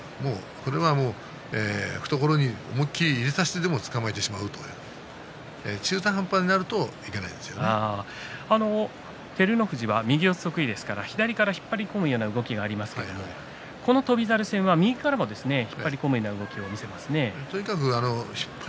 これはもう懐に入れさせてでもつかまえてしまうと中途半端になると照ノ富士は右四つ得意ですから左から引っ張り込むような動きがありますからこの翔猿戦は右からも引っ張り込むような動きを見せますね。